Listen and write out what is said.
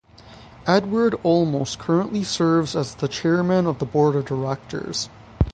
Edward Olmos currently serves as the Chairman of the Board of Directors.